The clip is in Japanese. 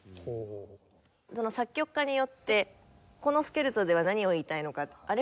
その作曲家によってこのスケルツォでは何を言いたいのかあれ？